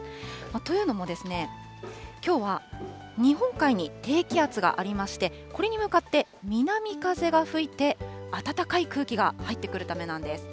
というのも、きょうは日本海に低気圧がありまして、これに向かって南風が吹いて、暖かい空気が入ってくるためなんです。